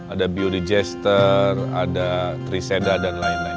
ada biodejester ada triseda dan lain lain